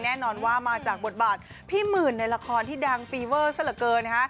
แน่นอนว่ามาจากบทบาทพี่หมื่นในละครที่ดังฟีเวอร์ซะเหลือเกินนะฮะ